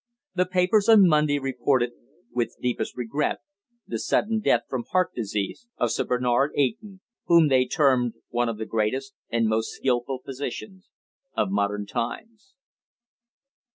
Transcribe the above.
The papers on Monday reported "with deepest regret" the sudden death from heart disease of Sir Bernard Eyton, whom they termed "one of the greatest and most skilful physicians of modern times."